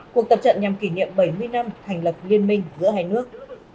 cuộc tập trận nhằm kỷ niệm bảy mươi năm thành lập liên minh giữa hai nước